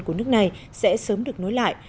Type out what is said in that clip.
của nước này sẽ sớm được nối lại